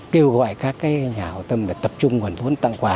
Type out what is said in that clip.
kêu gọi các nhà hội tâm để tập trung hoàn toàn tặng quà